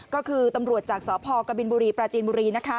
ก็คือตำรวจจากสพกบปราจีนบุหรี